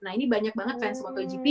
nah ini banyak banget fans motogp